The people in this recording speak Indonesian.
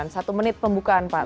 satu menit pembukaan pak